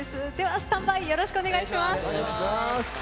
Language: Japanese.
スタンバイよろしくお願いします。